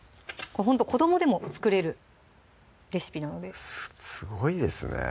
ほんと子どもでも作れるレシピなのですごいですね